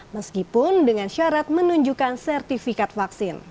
meskipun dengan syarat menunjukkan sertifikat vaksin